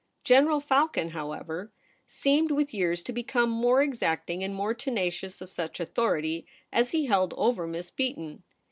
General Falcon, however, seemed with }ears to become more exacting and more tenacious of such authority as he held over Miss Beaton.